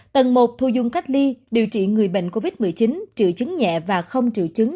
tầng một thu dung cách ly điều trị người bệnh covid một mươi chín triệu chứng nhẹ và không triệu chứng